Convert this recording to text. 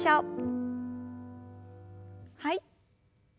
はい。